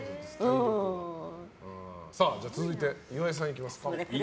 続いて、岩井さんいきますか。